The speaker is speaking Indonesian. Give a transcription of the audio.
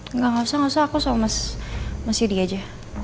enggak usah enggak usah aku sama mas yudi aja